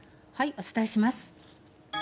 お伝えします。